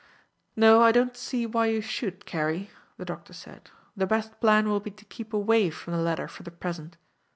"No, I don't see why you should, Carey," the doctor said; "the best plan will be to keep away from the ladder for the present.